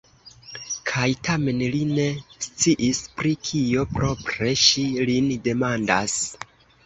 Kaj tamen li ne sciis, pri kio propre ŝi lin demandas.